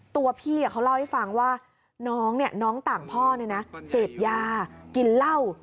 ตัวพี่เขาเล่าให้ฟังว่าน้องเนี่ยน้องต่างพ่อเนี่ยนะเสร็จยากินเหล้า